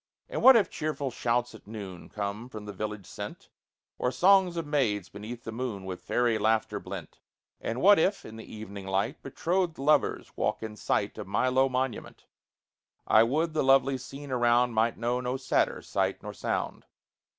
And what if cheerful shouts at noon Come, from the village sent, Or songs of maids beneath the moon, With fairy laughter blent? And what if, in the evening light, Betrothed lovers walk in sight Of my low monument? I would the lovely scene around Might know no sadder sight nor sound.